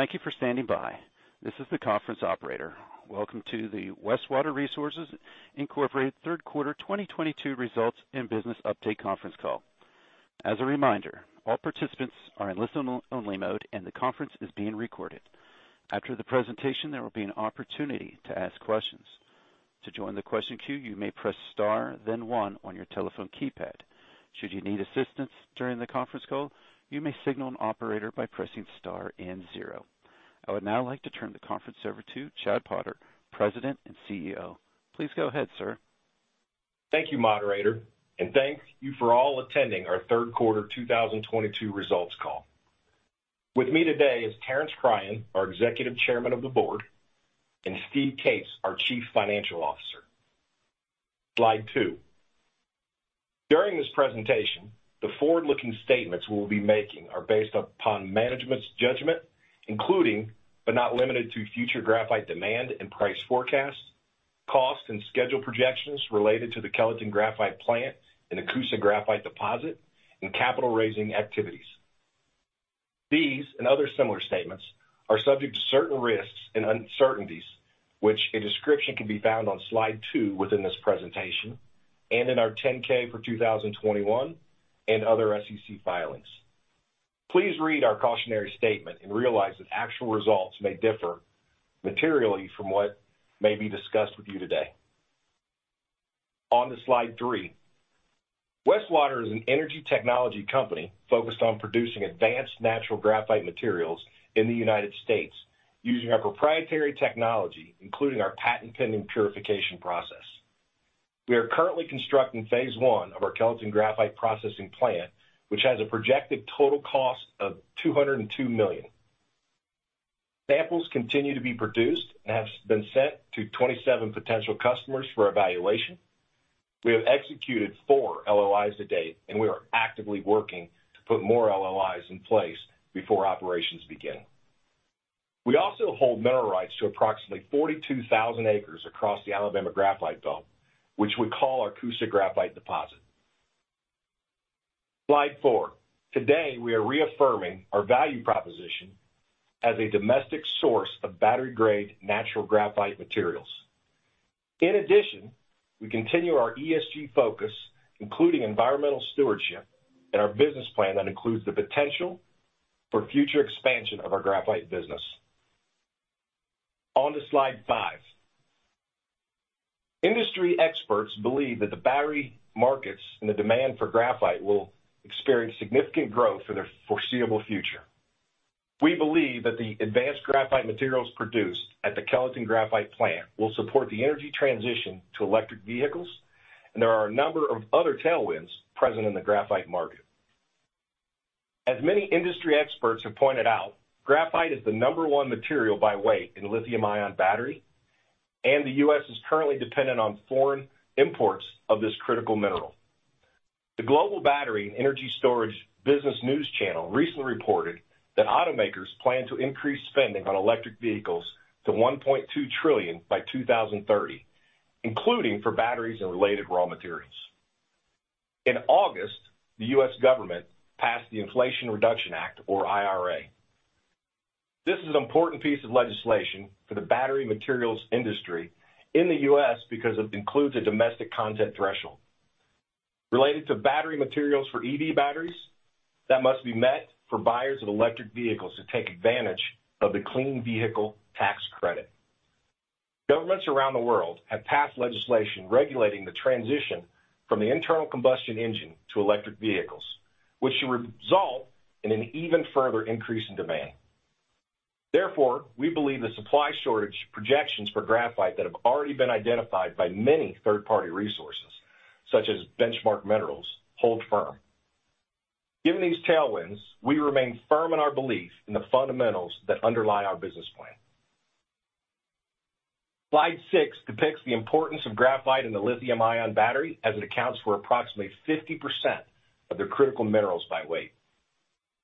Thank you for standing by. This is the conference operator. Welcome to the Westwater Resources, Inc. third quarter 2022 results and business update conference call. As a reminder, all participants are in listen-only mode, and the conference is being recorded. After the presentation, there will be an opportunity to ask questions. To join the question queue, you may press star then one on your telephone keypad. Should you need assistance during the conference call, you may signal an operator by pressing star and zero. I would now like to turn the conference over to Chad Potter, President and CEO. Please go ahead, sir. Thank you, moderator, and thank you for all attending our third quarter 2022 results call. With me today is Terence Cryan, our Executive Chairman of the Board, and Steve Cates, our Chief Financial Officer. Slide 2. During this presentation, the forward-looking statements we'll be making are based upon management's judgment, including, but not limited to, future graphite demand and price forecasts, costs and schedule projections related to the Kellyton Graphite plant and the Coosa Graphite deposit and capital raising activities. These and other similar statements are subject to certain risks and uncertainties, which a description can be found on Slide 2 within this presentation and in our 10-K for 2021 and other SEC filings. Please read our cautionary statement and realize that actual results may differ materially from what may be discussed with you today. On to Slide 3. Westwater is an energy technology company focused on producing advanced natural graphite materials in the United States using our proprietary technology, including our patent-pending purification process. We are currently constructing phase I of our Kellyton Graphite processing plant, which has a projected total cost of $202 million. Samples continue to be produced and have been sent to 27 potential customers for evaluation. We have executed 4 LOIs to date, and we are actively working to put more LOIs in place before operations begin. We also hold mineral rights to approximately 42,000 acres across the Alabama Graphite Belt, which we call our Coosa Graphite deposit. Slide4. Today, we are reaffirming our value proposition as a domestic source of battery-grade natural graphite materials. In addition, we continue our ESG focus, including environmental stewardship and our business plan that includes the potential for future expansion of our graphite business. On to Slide 5. Industry experts believe that the battery markets and the demand for graphite will experience significant growth for the foreseeable future. We believe that the advanced graphite materials produced at the Kellyton Graphite plant will support the energy transition to electric vehicles, and there are a number of other tailwinds present in the graphite market. As many industry experts have pointed out, graphite is the number one material by weight in lithium-ion battery, and the U.S. is currently dependent on foreign imports of this critical mineral. The Global Battery Energy Storage Business News channel recently reported that automakers plan to increase spending on electric vehicles to $1.2 trillion by 2030, including for batteries and related raw materials. In August, the U.S. government passed the Inflation Reduction Act or IRA. This is an important piece of legislation for the battery materials industry in the U.S. because it includes a domestic content threshold related to battery materials for EV batteries that must be met for buyers of electric vehicles to take advantage of the clean vehicle tax credit. Governments around the world have passed legislation regulating the transition from the internal combustion engine to electric vehicles, which should result in an even further increase in demand. Therefore, we believe the supply shortage projections for graphite that have already been identified by many third-party resources, such as Benchmark Mineral Intelligence, hold firm. Given these tailwinds, we remain firm in our belief in the fundamentals that underlie our business plan. Slide 6 depicts the importance of graphite in the lithium-ion battery, as it accounts for approximately 50% of the critical minerals by weight.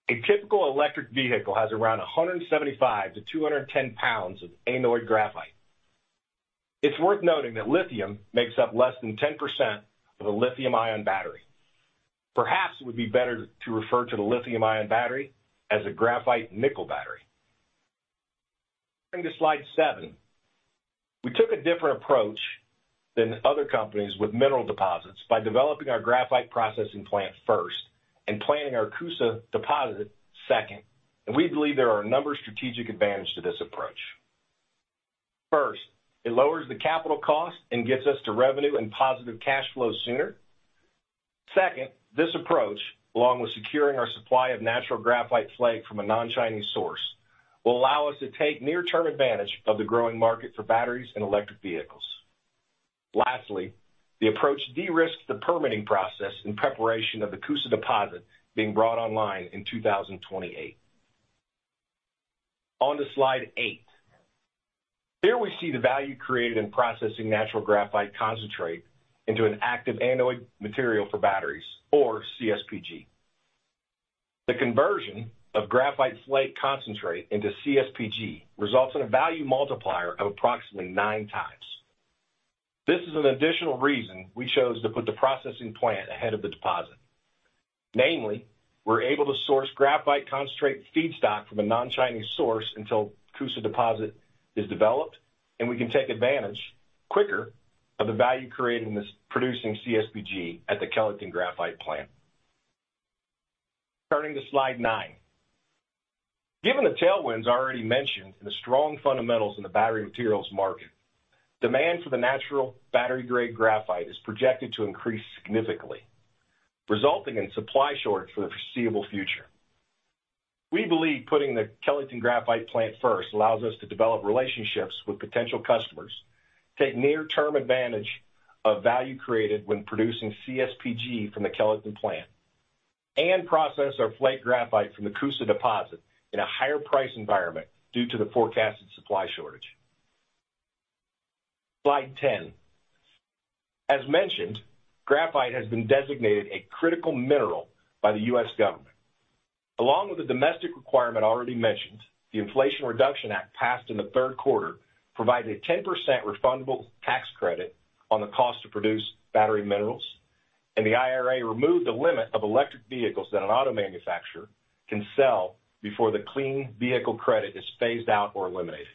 A typical electric vehicle has around 175-210 pounds of anode graphite. It's worth noting that lithium makes up less than 10% of a lithium-ion battery. Perhaps it would be better to refer to the lithium-ion battery as a graphite nickel battery. Going to Slide 7. We took a different approach than other companies with mineral deposits by developing our graphite processing plant first and planning our Coosa deposit second, and we believe there are a number of strategic advantage to this approach. First, it lowers the capital cost and gets us to revenue and positive cash flow sooner. Second, this approach, along with securing our supply of natural graphite flake from a non-Chinese source, will allow us to take near-term advantage of the growing market for batteries and electric vehicles. Lastly, the approach de-risks the permitting process in preparation of the Coosa deposit being brought online in 2028. On to Slide 8. Here we see the value created in processing natural graphite concentrate into an active anode material for batteries or CSPG. The conversion of graphite flake concentrate into CSPG results in a value multiplier of approximately 9x. This is an additional reason we chose to put the processing plant ahead of the deposit. Namely, we're able to source graphite concentrate feedstock from a non-Chinese source until Coosa deposit is developed, and we can take advantage quicker of the value created in this producing CSPG at the Kellyton Graphite plant. Turning to Slide 9. Given the tailwinds already mentioned and the strong fundamentals in the battery materials market, demand for the natural battery-grade graphite is projected to increase significantly, resulting in supply shortage for the foreseeable future. We believe putting the Kellyton Graphite plant first allows us to develop relationships with potential customers, take near-term advantage of value created when producing CSPG from the Kellyton plant, and process our flake graphite from the Coosa deposit in a higher price environment due to the forecasted supply shortage. Slide 10. As mentioned, graphite has been designated a critical mineral by the U.S. government. Along with the domestic requirement already mentioned, the Inflation Reduction Act passed in the third quarter provided a 10% refundable tax credit on the cost to produce battery minerals. The IRA removed the limit of electric vehicles that an auto manufacturer can sell before the clean vehicle credit is phased out or eliminated.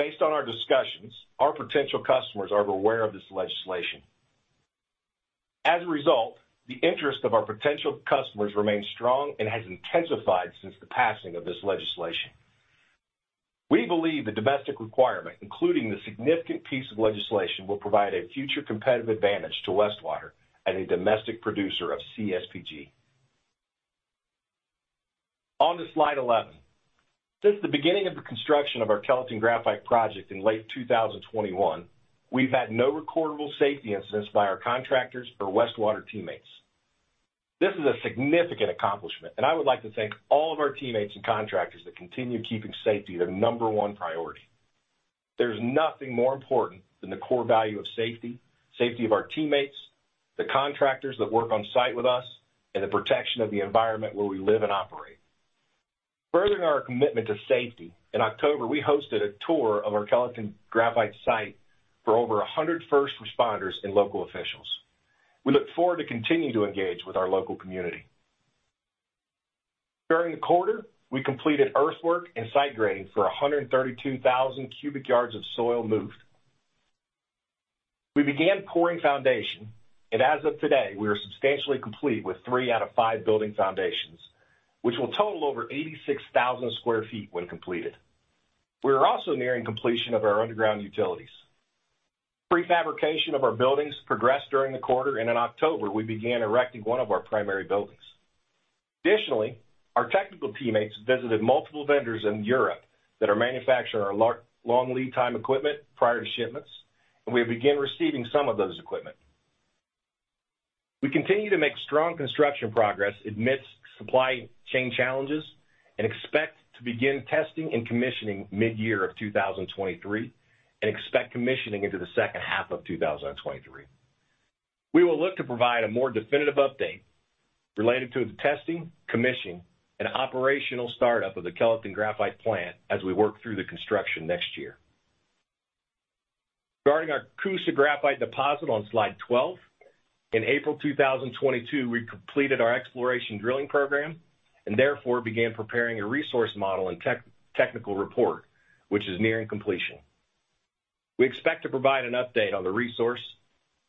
Based on our discussions, our potential customers are aware of this legislation. As a result, the interest of our potential customers remains strong and has intensified since the passing of this legislation. We believe the domestic requirement, including the significant piece of legislation, will provide a future competitive advantage to Westwater as a domestic producer of CSPG. On to Slide 11. Since the beginning of the construction of our Kellyton Graphite project in late 2021, we've had no recordable safety incidents by our contractors or Westwater teammates. This is a significant accomplishment, and I would like to thank all of our teammates and contractors that continue keeping safety their number one priority. There's nothing more important than the core value of safety of our teammates, the contractors that work on site with us, and the protection of the environment where we live and operate. Furthering our commitment to safety, in October, we hosted a tour of our Kellyton Graphite site for over 100 first responders and local officials. We look forward to continuing to engage with our local community. During the quarter, we completed earthwork and site grading for 132,000 cubic yards of soil moved. We began pouring foundation, and as of today, we are substantially complete with 3 out of 5 building foundations, which will total over 86,000 sq ft when completed. We are also nearing completion of our underground utilities. Pre-fabrication of our buildings progressed during the quarter, and in October, we began erecting one of our primary buildings. Additionally, our technical teammates visited multiple vendors in Europe that are manufacturing our long-lead time equipment prior to shipments, and we have began receiving some of those equipment. We continue to make strong construction progress amidst supply chain challenges, and expect to begin testing and commissioning mid-year of 2023, and expect commissioning into the second half of 2023. We will look to provide a more definitive update related to the testing, commissioning, and operational startup of the Kellyton Graphite plant as we work through the construction next year. Regarding our Coosa Graphite deposit on Slide 12, in April 2022, we completed our exploration drilling program, and therefore began preparing a resource model and technical report, which is nearing completion. We expect to provide an update on the resource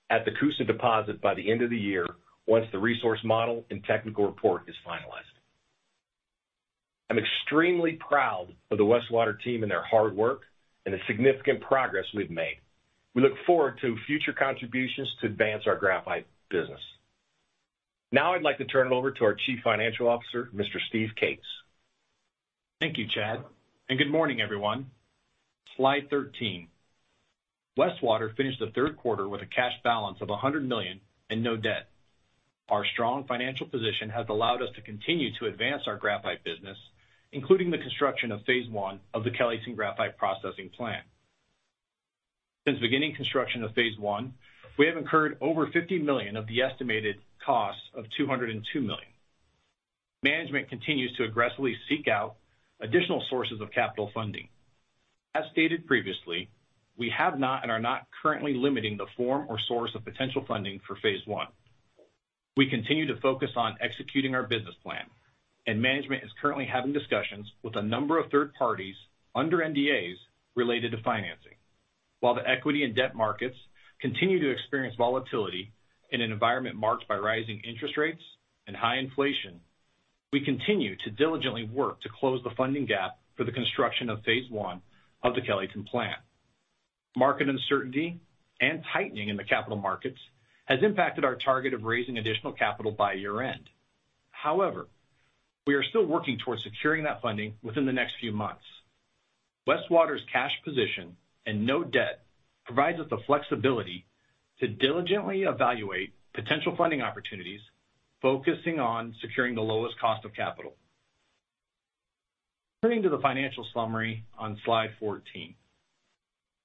at the Coosa deposit by the end of the year once the resource model and technical report is finalized. I'm extremely proud of the Westwater team and their hard work and the significant progress we've made. We look forward to future contributions to advance our graphite business. Now I'd like to turn it over to our Chief Financial Officer, Mr. Steve Cates. Thank you, Chad, and good morning, everyone. Slide 13. Westwater finished the third quarter with a cash balance of $100 million and no debt. Our strong financial position has allowed us to continue to advance our graphite business, including the construction of phase I of the Kellyton Graphite processing plant. Since beginning construction of phase I, we have incurred over $50 million of the estimated cost of $202 million. Management continues to aggressively seek out additional sources of capital funding. As stated previously, we have not and are not currently limiting the form or source of potential funding for phase I. We continue to focus on executing our business plan, and management is currently having discussions with a number of third parties under NDAs related to financing. While the equity and debt markets continue to experience volatility in an environment marked by rising interest rates and high inflation, we continue to diligently work to close the funding gap for the construction of phase I of the Kellyton plant. Market uncertainty and tightening in the capital markets has impacted our target of raising additional capital by year-end. However, we are still working towards securing that funding within the next few months. Westwater's cash position and no debt provides us the flexibility to diligently evaluate potential funding opportunities, focusing on securing the lowest cost of capital. Turning to the financial summary on Slide 14.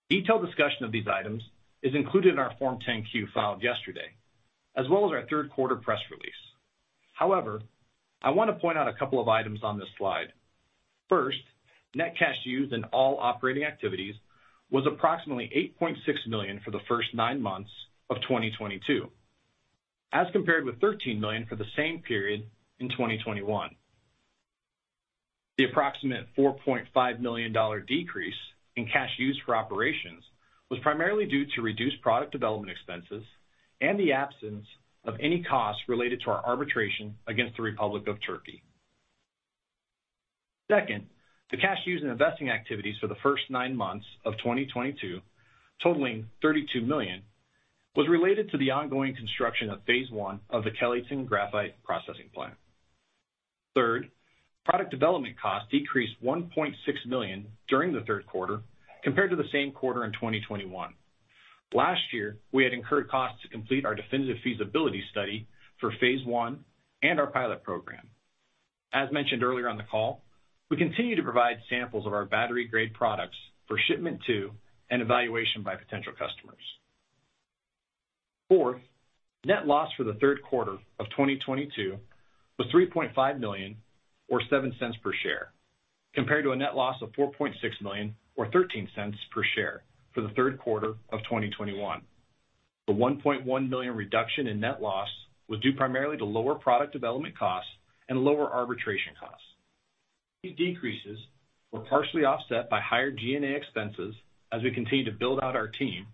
Detailed discussion of these items is included in our Form 10-Q filed yesterday, as well as our third quarter press release. However, I wanna point out a couple of items on this slide. First, net cash used in all operating activities was approximately $8.6 million for the first nine months of 2022, as compared with $13 million for the same period in 2021. The approximate $4.5 million decrease in cash used for operations was primarily due to reduced product development expenses and the absence of any costs related to our arbitration against the Republic of Turkey. Second, the cash used in investing activities for the first nine months of 2022, totaling $32 million, was related to the ongoing construction of phase I of the Kellyton Graphite processing plant. Third, product development costs decreased $1.6 million during the third quarter compared to the same quarter in 2021. Last year, we had incurred costs to complete our definitive feasibility study for phase I and our pilot program. As mentioned earlier on the call, we continue to provide samples of our battery-grade products for shipment to and evaluation by potential customers. Fourth, net loss for the third quarter of 2022 was $3.5 million, or $0.07 per share, compared to a net loss of $4.6 million or $0.13 per share for the third quarter of 2021. The $1.1 million reduction in net loss was due primarily to lower product development costs and lower arbitration costs. These decreases were partially offset by higher G&A expenses as we continue to build out our team,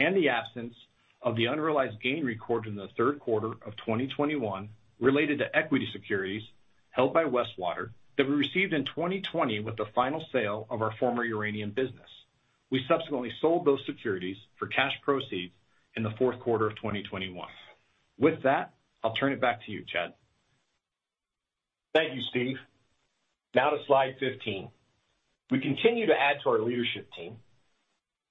and the absence of the unrealized gain recorded in the third quarter of 2021 related to equity securities held by Westwater that we received in 2020 with the final sale of our former uranium business. We subsequently sold those securities for cash proceeds in the fourth quarter of 2021. With that, I'll turn it back to you, Chad. Thank you, Steve. Now to Slide 15. We continue to add to our leadership team.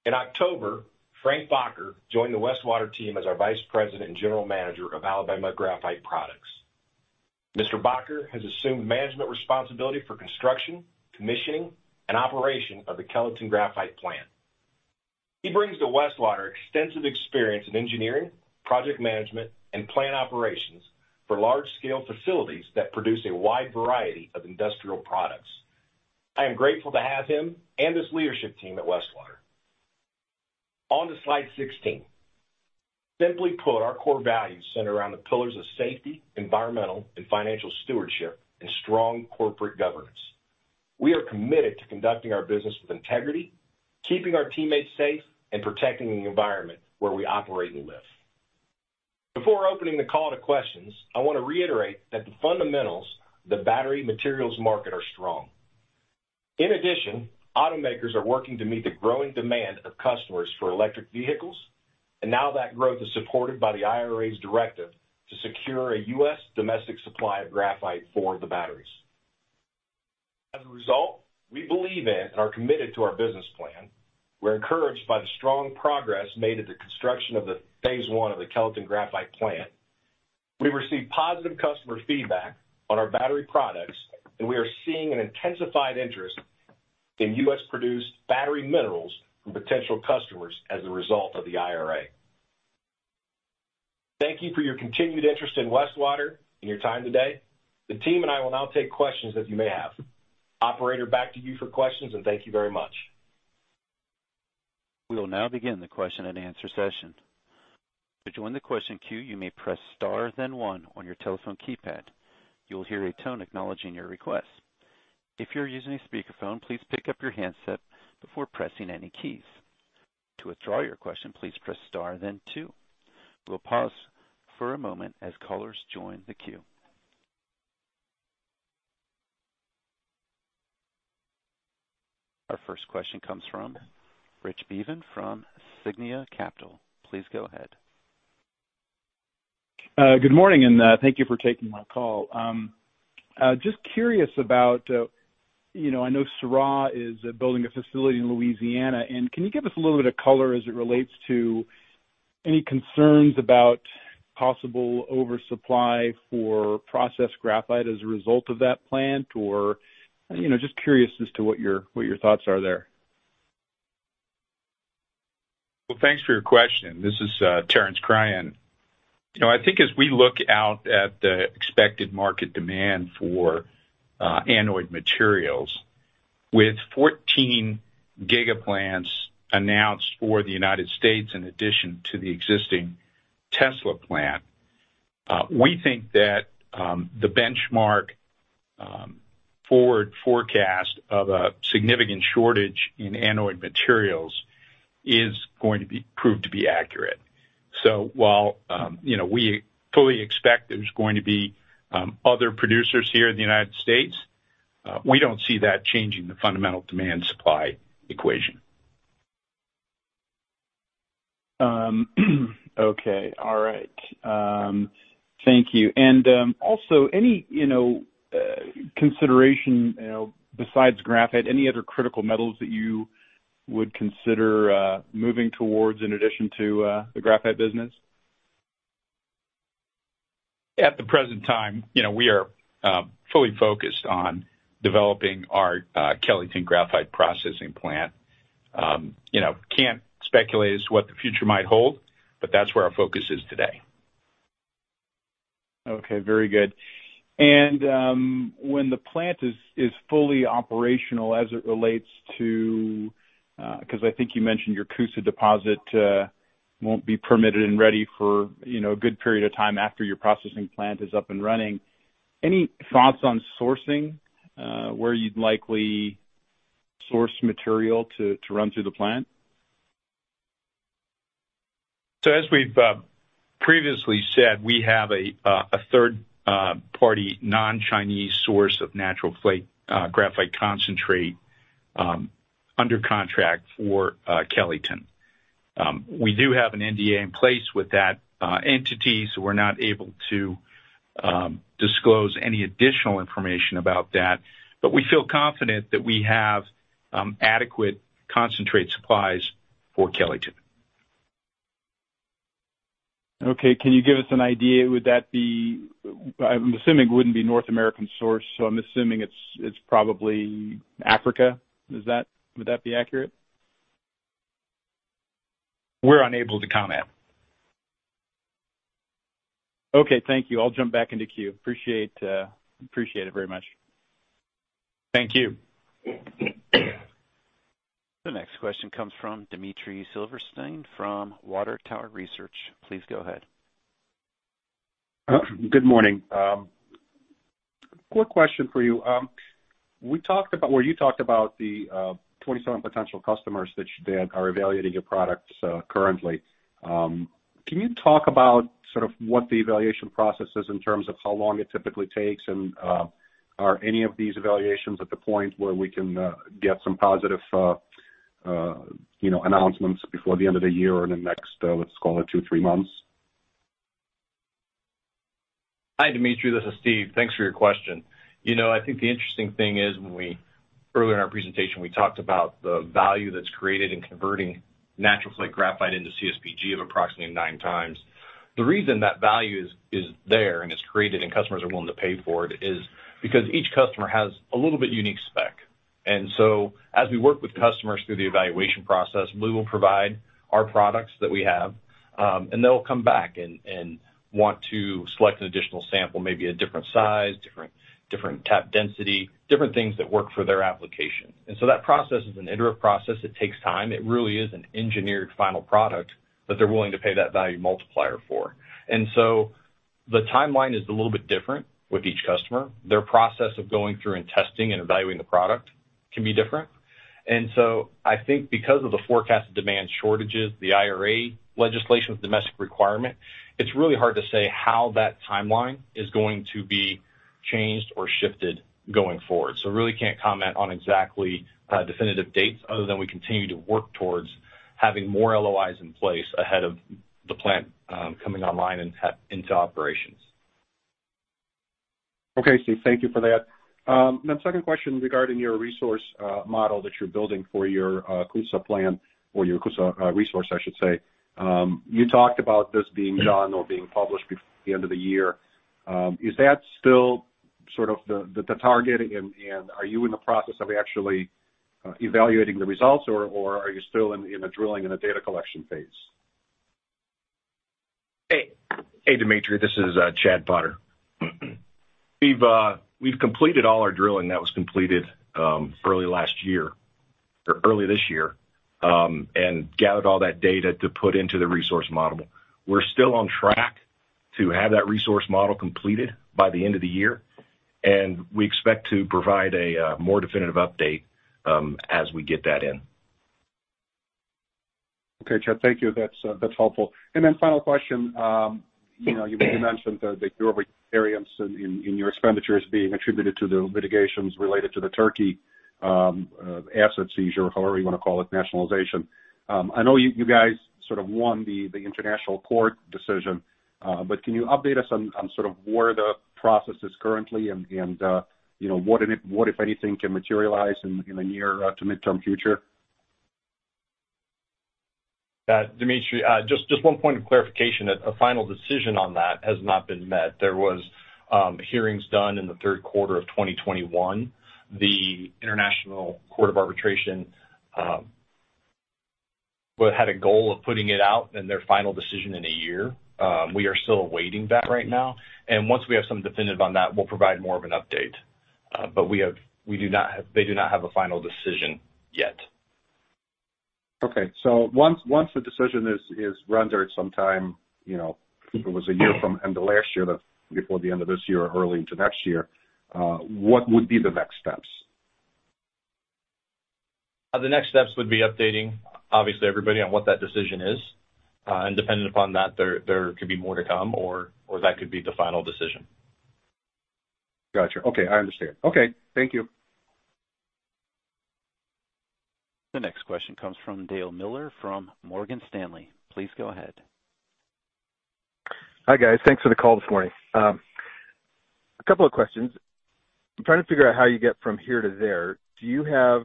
In October, Frank Bakker joined the Westwater team as our Vice President and General Manager of Alabama Graphite Products. Mr. Bakker has assumed management responsibility for construction, commissioning, and operation of the Kellyton Graphite plant. He brings to Westwater extensive experience in engineering, project management, and plant operations for large-scale facilities that produce a wide variety of industrial products. I am grateful to have him and his leadership team at Westwater. On to Slide 16. Simply put, our core values center around the pillars of safety, environmental, and financial stewardship and strong corporate governance. We are committed to conducting our business with integrity, keeping our teammates safe, and protecting the environment where we operate and live. Before opening the call to questions, I wanna reiterate that the fundamentals of the battery materials market are strong. In addition, automakers are working to meet the growing demand of customers for electric vehicles, and now that growth is supported by the IRA's directive to secure a U.S. domestic supply of graphite for the batteries. As a result, we believe in and are committed to our business plan. We're encouraged by the strong progress made at the construction of the phase I of the Kellyton Graphite plant. We receive positive customer feedback on our battery products, and we are seeing an intensified interest in U.S.-produced battery minerals from potential customers as a result of the IRA. Thank you for your continued interest in Westwater and your time today. The team and I will now take questions that you may have. Operator, back to you for questions, and thank you very much. We will now begin the question and answer session. To join the question queue, you may press star then one on your telephone keypad. You will hear a tone acknowledging your request. If you're using a speakerphone, please pick up your handset before pressing any keys. To withdraw your question, please press star then two. We'll pause for a moment as callers join the queue. Our first question comes from Rich Beaven from Signia Capital. Please go ahead. Good morning, and thank you for taking my call. Just curious about, you know, I know Syrah Resources is building a facility in Louisiana, and can you give us a little bit of color as it relates to any concerns about possible oversupply for processed graphite as a result of that plant? Or, you know, just curious as to what your thoughts are there. Well, thanks for your question. This is Terence Cryan. You know, I think as we look out at the expected market demand for anode materials, with 14 giga-plants announced for the United States in addition to the existing Tesla plant, we think that the Benchmark forward forecast of a significant shortage in anode materials is going to be proved to be accurate. While you know, we fully expect there's going to be other producers here in the United States, we don't see that changing the fundamental demand-supply equation. Okay. All right. Thank you. Also any, you know, consideration, you know, besides graphite, any other critical metals that you would consider moving towards in addition to the graphite business? At the present time, you know, we are fully focused on developing our Kellyton Graphite processing plant. You know, can't speculate as to what the future might hold, but that's where our focus is today. Okay. Very good. When the plant is fully operational as it relates to 'cause I think you mentioned your Coosa deposit won't be permitted and ready for a good period of time after your processing plant is up and running, any thoughts on sourcing where you'd likely source material to run through the plant? As we've previously said, we have a third party non-Chinese source of natural flake graphite concentrate under contract for Kellyton. We do have an NDA in place with that entity, so we're not able to disclose any additional information about that, but we feel confident that we have adequate concentrate supplies for Kellyton. Okay. Can you give us an idea? I'm assuming it wouldn't be North American source, so I'm assuming it's probably Africa. Is that accurate? We're unable to comment. Okay, thank you. I'll jump back into queue. Appreciate it very much. Thank you. The next question comes from Dmitry Silversteyn from Water Tower Research. Please go ahead. Good morning. Quick question for you. We talked about, or you talked about the 27 potential customers that you said are evaluating your products currently. Can you talk about sort of what the evaluation process is in terms of how long it typically takes and are any of these evaluations at the point where we can get some positive you know announcements before the end of the year or in the next let's call it 2-3 months? Hi, Dmitry. This is Steve. Thanks for your question. You know, I think the interesting thing is earlier in our presentation, we talked about the value that's created in converting natural flake graphite into CSPG of approximately 9x. The reason that value is there and it's created and customers are willing to pay for it is because each customer has a little bit unique spec. As we work with customers through the evaluation process, we will provide our products that we have, and they'll come back and want to select an additional sample, maybe a different size, different tap density, different things that work for their application. That process is an iterative process. It takes time. It really is an engineered final product that they're willing to pay that value multiplier for. The timeline is a little bit different with each customer. Their process of going through and testing and evaluating the product can be different. I think because of the forecasted demand shortages, the IRA legislation with domestic requirement, it's really hard to say how that timeline is going to be changed or shifted going forward. Really can't comment on exactly, definitive dates other than we continue to work towards having more LOIs in place ahead of the plant, coming online and tap into operations. Okay, Steve. Thank you for that. Second question regarding your resource model that you're building for your Coosa plan or your Coosa resource, I should say. You talked about this being done or being published before the end of the year. Is that still sort of the target and are you in the process of actually evaluating the results or are you still in a drilling and data collection phase? Hey, hey, Dmitry, this is Chad Potter. We've completed all our drilling that was completed early last year or early this year, and gathered all that data to put into the resource model. We're still on track to have that resource model completed by the end of the year, and we expect to provide a more definitive update as we get that in. Okay, Chad. Thank you. That's helpful. Final question. You know, you mentioned that your variance in your expenditures being attributed to the litigations related to the Turkey asset seizure, however you wanna call it, nationalization. I know you guys sort of won the International Court decision, but can you update us on sort of where the process is currently and you know, what if anything can materialize in the near to midterm future? Dmitry, just one point of clarification. A final decision on that has not been met. There was hearings done in the third quarter of 2021. The International Court of Arbitration had a goal of putting it out in their final decision in a year. We are still awaiting that right now. Once we have something definitive on that, we'll provide more of an update. They do not have a final decision yet. Okay. Once the decision is rendered sometime, you know, I think it was a year from end of last year, that before the end of this year or early into next year, what would be the next steps? The next steps would be updating, obviously, everybody on what that decision is. Depending upon that, there could be more to come or that could be the final decision. Gotcha. Okay, I understand. Okay, thank you. The next question comes from Dale Miller from Morgan Stanley. Please go ahead. Hi, guys. Thanks for the call this morning. A couple of questions. I'm trying to figure out how you get from here to there. Do you have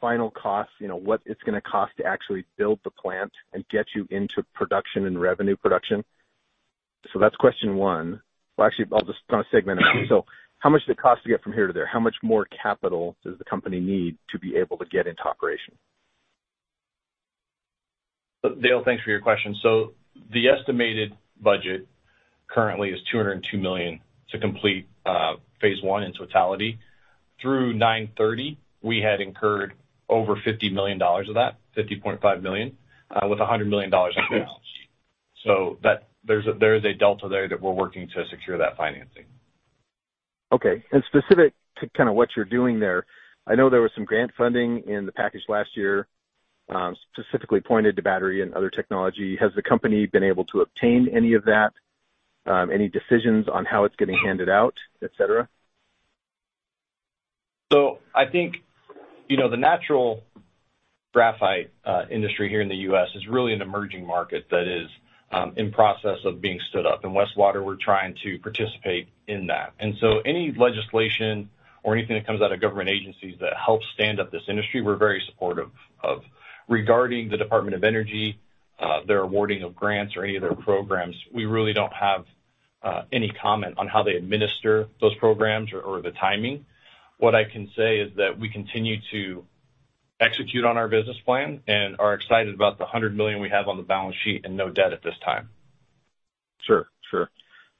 final costs? You know, what it's gonna cost to actually build the plant and get you into production and revenue production? That's question one. Well, actually, I'll just kind of segment it. How much does it cost to get from here to there? How much more capital does the company need to be able to get into operation? Dale, thanks for your question. The estimated budget currently is $202 million to complete phase I in totality. Through 9/30, we had incurred over $50 million of that, $50.5 million, with $100 million in cash. There's a delta there that we're working to secure that financing. Okay. Specific to kind of what you're doing there, I know there was some grant funding in the package last year, specifically pointed to battery and other technology. Has the company been able to obtain any of that? Any decisions on how it's getting handed out, et cetera? I think, you know, the natural graphite industry here in the U.S. is really an emerging market that is in process of being stood up. In Westwater, we're trying to participate in that. Any legislation or anything that comes out of government agencies that helps stand up this industry, we're very supportive of. Regarding the Department of Energy, their awarding of grants or any of their programs, we really don't have any comment on how they administer those programs or the timing. What I can say is that we continue to execute on our business plan and are excited about the $100 million we have on the balance sheet and no debt at this time. Sure, sure.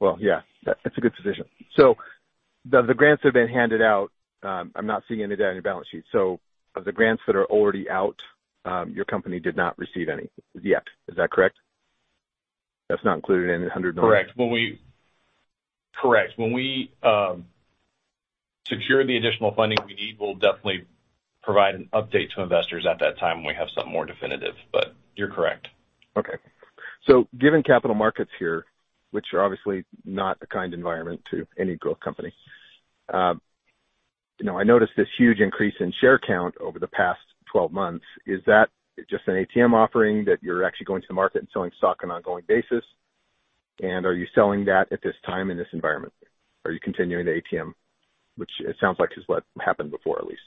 Well, yeah, that's a good position. The grants have been handed out. I'm not seeing any debt on your balance sheet. Of the grants that are already out, your company did not receive any yet. Is that correct? That's not included in the $100 million. Correct. When we secure the additional funding we need, we'll definitely provide an update to investors at that time when we have something more definitive. You're correct. Okay. Given capital markets here, which are obviously not a kind environment to any growth company, you know, I noticed this huge increase in share count over the past 12 months. Is that just an ATM offering that you're actually going to the market and selling stock on ongoing basis? Are you selling that at this time in this environment? Are you continuing the ATM, which it sounds like is what happened before at least.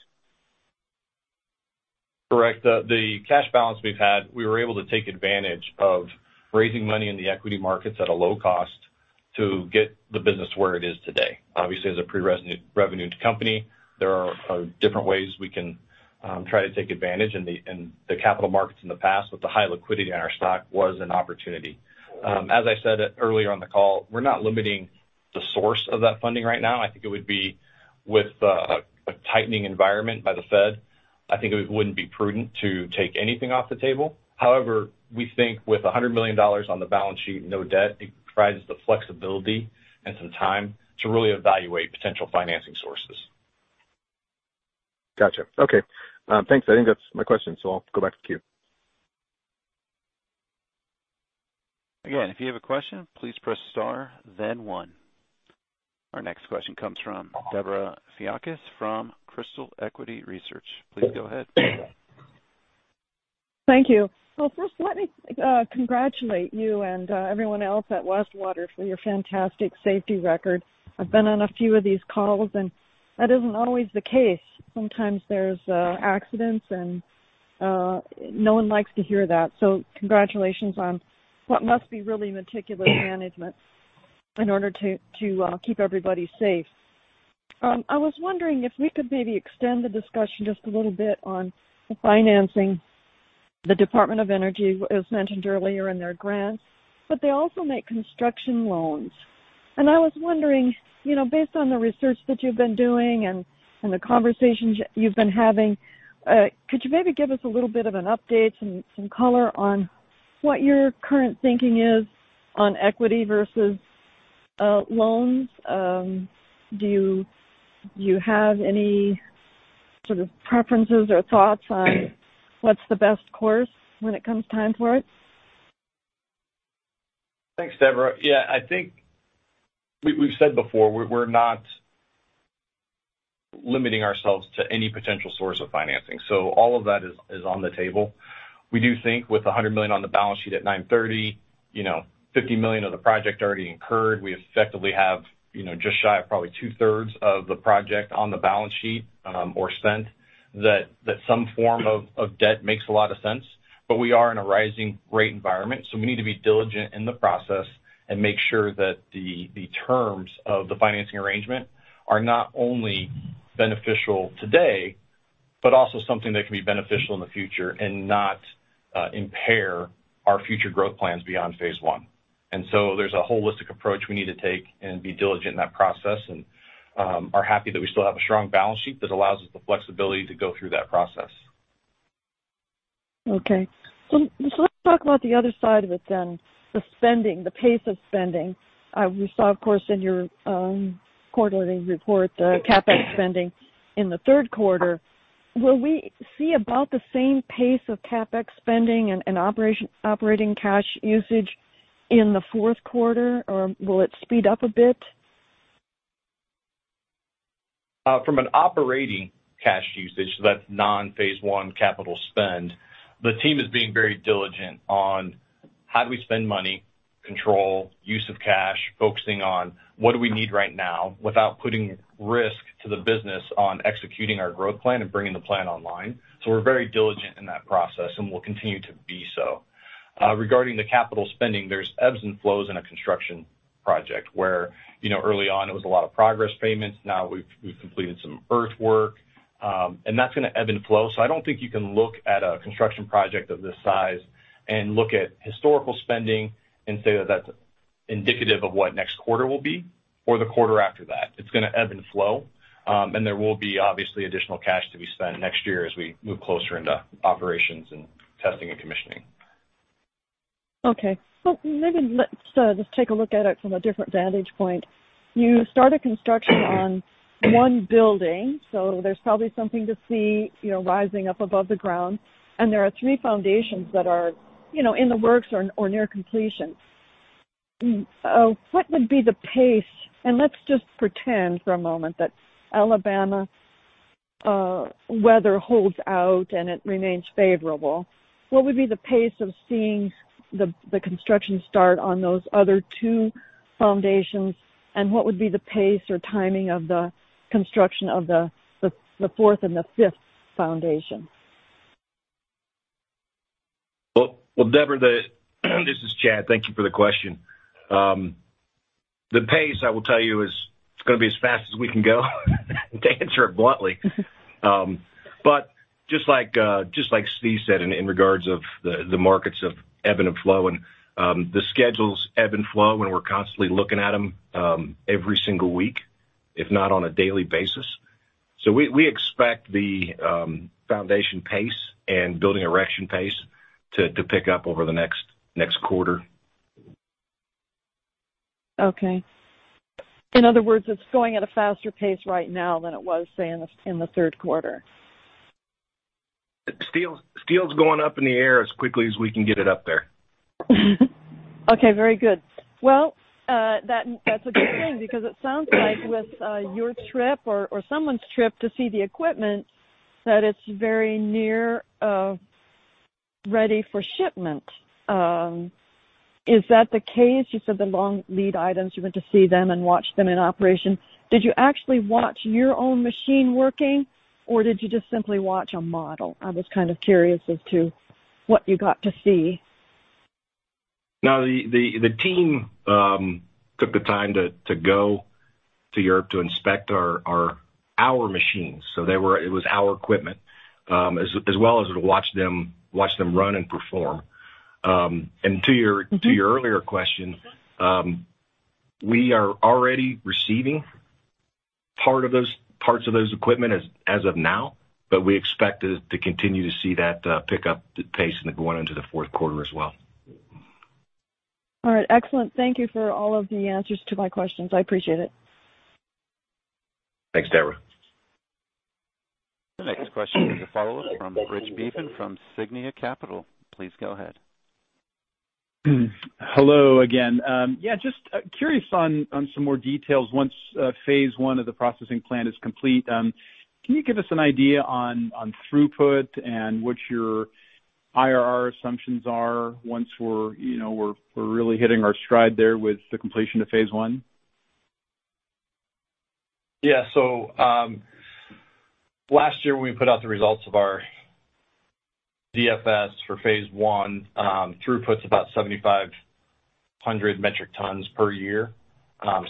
Correct. The cash balance we've had, we were able to take advantage of raising money in the equity markets at a low cost to get the business where it is today. Obviously, as a pre-revenue company, there are different ways we can try to take advantage in the capital markets in the past, with the high liquidity on our stock was an opportunity. As I said earlier on the call, we're not limiting the source of that funding right now. I think it would be wise in a tightening environment by the Fed. I think it wouldn't be prudent to take anything off the table. However, we think with $100 million on the balance sheet, no debt, it provides the flexibility and some time to really evaluate potential financing sources. Gotcha. Okay. Thanks. I think that's my question, so I'll go back to queue. Again, if you have a question, please press star then one. Our next question comes from Debra Fiakas from Crystal Equity Research. Please go ahead. Thank you. Well, first, let me congratulate you and everyone else at Westwater for your fantastic safety record. I've been on a few of these calls, and that isn't always the case. Sometimes there's accidents and no one likes to hear that. So congratulations on what must be really meticulous management in order to keep everybody safe. I was wondering if we could maybe extend the discussion just a little bit on the financing. The Department of Energy, as mentioned earlier in their grants, but they also make construction loans. I was wondering, you know, based on the research that you've been doing and the conversations you've been having, could you maybe give us a little bit of an update, some color on what your current thinking is on equity versus loans? Do you have any sort of preferences or thoughts on what's the best course when it comes time for it? Thanks, Debra. Yeah, I think we've said before, we're not limiting ourselves to any potential source of financing. All of that is on the table. We do think with $100 million on the balance sheet at 9/30, you know, $50 million of the project already incurred, we effectively have, you know, just shy of probably 2/3 of the project on the balance sheet or spent. That some form of debt makes a lot of sense. We are in a rising rate environment, so we need to be diligent in the process and make sure that the terms of the financing arrangement are not only beneficial today, but also something that can be beneficial in the future and not impair our future growth plans beyond phase I. There's a holistic approach we need to take and be diligent in that process and are happy that we still have a strong balance sheet that allows us the flexibility to go through that process. Okay. Let's talk about the other side of it then, the spending, the pace of spending. We saw, of course, in your quarterly report, the CapEx spending in the third quarter. Will we see about the same pace of CapEx spending and operating cash usage in the fourth quarter? Or will it speed up a bit? From an operating cash usage, that's non-phase I capital spend, the team is being very diligent on how do we spend money, control, use of cash, focusing on what do we need right now without putting risk to the business on executing our growth plan and bringing the plan online. We're very diligent in that process and will continue to be so. Regarding the capital spending, there's ebbs and flows in a construction project where, you know, early on it was a lot of progress payments. Now we've completed some earthwork, and that's gonna ebb and flow. I don't think you can look at a construction project of this size and look at historical spending and say that that's indicative of what next quarter will be or the quarter after that. It's gonna ebb and flow, and there will be obviously additional cash to be spent next year as we move closer into operations and testing and commissioning. Okay. Maybe let's take a look at it from a different vantage point. You start a construction on one building, so there's probably something to see, you know, rising up above the ground. There are three foundations that are, you know, in the works or near completion. What would be the pace? Let's just pretend for a moment that Alabama weather holds out and it remains favorable. What would be the pace of seeing the construction start on those other two foundations? What would be the pace or timing of the construction of the fourth and the fifth foundation? Well, well, Debra. This is Chad. Thank you for the question. The pace I will tell you is, it's gonna be as fast as we can go, to answer it bluntly. Just like just like Steve said in regards of the markets of ebb and flow, and the schedules ebb and flow, and we're constantly looking at them every single week, if not on a daily basis. We expect the foundation pace and building erection pace to pick up over the next quarter. Okay. In other words, it's going at a faster pace right now than it was, say, in the third quarter. Steel, steel's going up in the air as quickly as we can get it up there. Okay. Very good. Well, that's a good thing because it sounds like with your trip or someone's trip to see the equipment that it's very nearly ready for shipment. Is that the case? You said the long lead items, you went to see them and watch them in operation. Did you actually watch your own machine working or did you just simply watch a model? I was kind of curious as to what you got to see. No, the team took the time to go to Europe to inspect our machines. It was our equipment, as well as to watch them run and perform. To your earlier question, we are already receiving parts of those equipment as of now, but we expect to continue to see that pick up the pace and going into the fourth quarter as well. All right. Excellent. Thank you for all of the answers to my questions. I appreciate it. Thanks, Debra. The next question is a follow-up from Rich Beaven from Signia Capital. Please go ahead. Hello again. Yeah, just curious on some more details once phase I of the processing plant is complete. Can you give us an idea on throughput and what your IRR assumptions are once we're you know really hitting our stride there with the completion of phase I? Yeah. Last year when we put out the results of our DFS for phase I, throughput's about 7,500 metric tons per year,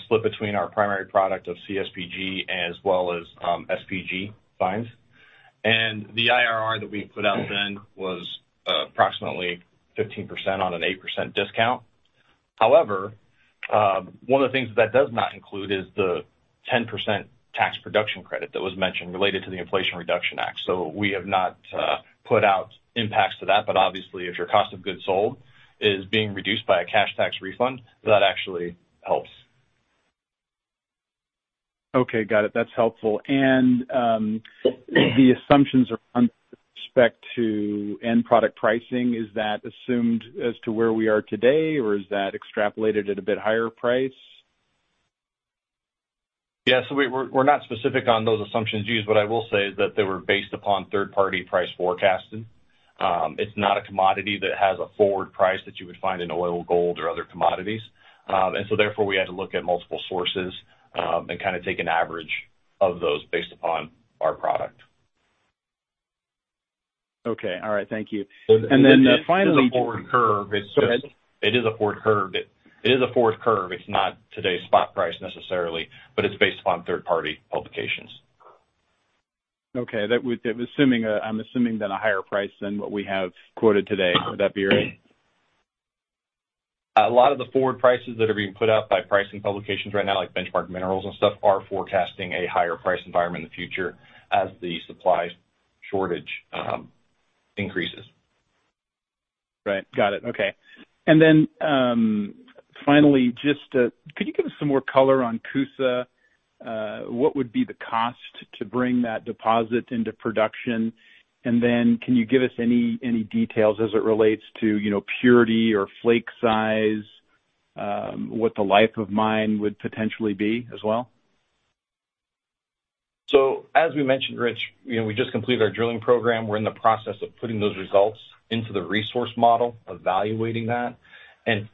split between our primary product of CSPG as well as, SPG fines. The IRR that we put out then was approximately 15% on an 8% discount. However, one of the things that does not include is the 10% tax production credit that was mentioned related to the Inflation Reduction Act. We have not put out impacts to that, but obviously if your cost of goods sold is being reduced by a cash tax refund, that actually helps. Okay, got it. That's helpful. The assumptions are with respect to end product pricing. Is that assumed as to where we are today or is that extrapolated at a bit higher price? We're not specific on those assumptions used, but I will say that they were based upon third-party price forecasting. It's not a commodity that has a forward price that you would find in oil, gold or other commodities. Therefore, we had to look at multiple sources, and kinda take an average of those based upon our product. Okay. All right. Thank you. Finally. It is a forward curve. Go ahead. It is a forward curve. It's not today's spot price necessarily, but it's based upon third-party publications. Okay. I'm assuming then a higher price than what we have quoted today. Would that be right? A lot of the forward prices that are being put out by pricing publications right now, like Benchmark Minerals and stuff, are forecasting a higher price environment in the future as the supply shortage increases. Right. Got it. Okay. Finally, just, could you give us some more color on Coosa? What would be the cost to bring that deposit into production? Can you give us any details as it relates to, you know, purity or flake size? What the life of mine would potentially be as well. As we mentioned, Rich, you know, we just completed our drilling program. We're in the process of putting those results into the resource model, evaluating that.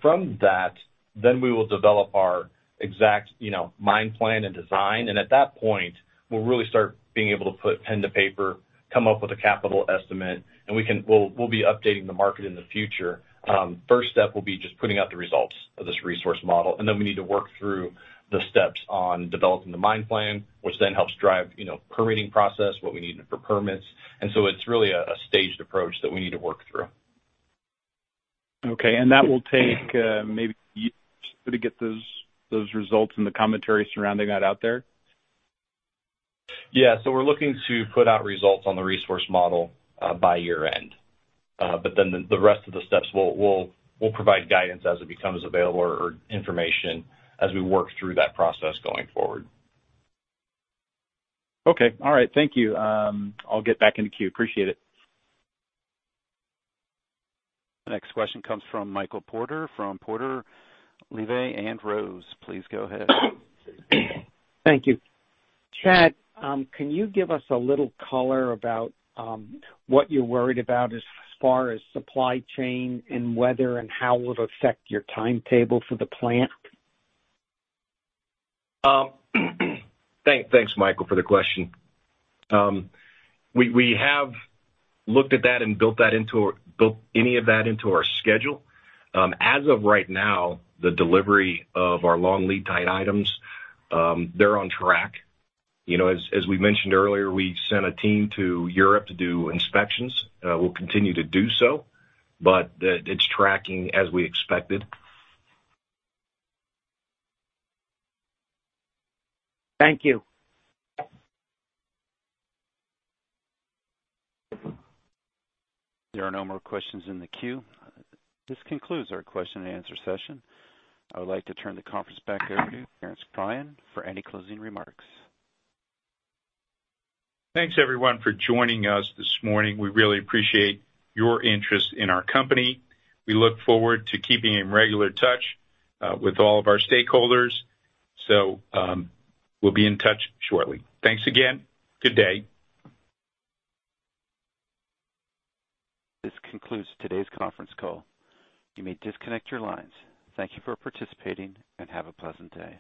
From that we will develop our exact, you know, mine plan and design. At that point, we'll really start being able to put pen to paper, come up with a capital estimate, and we'll be updating the market in the future. First step will be just putting out the results of this resource model, and then we need to work through the steps on developing the mine plan, which then helps drive, you know, permitting process, what we need for permits. It's really a staged approach that we need to work through. Okay. That will take maybe to get those results and the commentary surrounding that out there? Yeah. We're looking to put out results on the resource model by year-end. The rest of the steps we'll provide guidance as it becomes available or information as we work through that process going forward. Okay. All right. Thank you. I'll get back in queue. Appreciate it. The next question comes from Michael Porter from Porter, LeVay & Rose. Please go ahead. Thank you. Chad, can you give us a little color about what you're worried about as far as supply chain and weather and how it will affect your timetable for the plant? Thanks Michael for the question. We have looked at that and built any of that into our schedule. As of right now, the delivery of our long lead time items, they're on track. You know, as we mentioned earlier, we sent a team to Europe to do inspections. We'll continue to do so, but it's tracking as we expected. Thank you. There are no more questions in the queue. This concludes our question and answer session. I would like to turn the conference back over to Terence Cryan for any closing remarks. Thanks everyone for joining us this morning. We really appreciate your interest in our company. We look forward to keeping in regular touch with all of our stakeholders. We'll be in touch shortly. Thanks again. Good day. This concludes today's conference call. You may disconnect your lines. Thank you for participating and have a pleasant day.